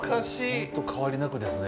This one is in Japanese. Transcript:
ほんと変わりなくですね。